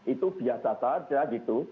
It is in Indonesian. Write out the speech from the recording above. itu biasa saja gitu